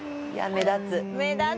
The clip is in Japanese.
目立つな。